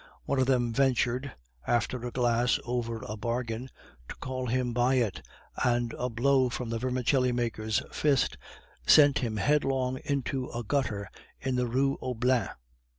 One of them ventured (after a glass over a bargain) to call him by it, and a blow from the vermicelli maker's fist sent him headlong into a gutter in the Rue Oblin.